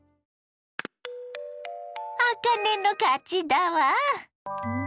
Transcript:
あかねの勝ちだわ。